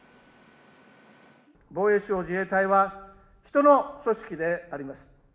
防衛省・自衛隊は、人の組織であります。